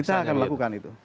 kita akan lakukan itu